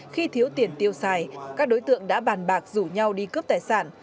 khi thiếu tiền tiêu xài các đối tượng đã bàn bạc rủ nhau đi cướp tài sản